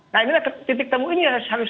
nah ini titik temu ini harus